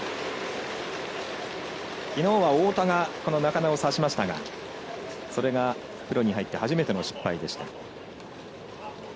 きのうは太田が中野を刺しましたがそれが、プロに入って初めての失敗でした。